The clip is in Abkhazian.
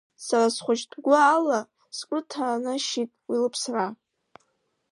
Сара схәыҷтәы гәы ала сгәы ҭанашьит уи лыԥсра.